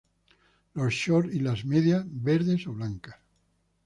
Los "shorts" y las medias verdes o blancas.